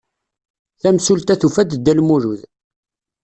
Tamsulta tufa-d Dda Lmulud.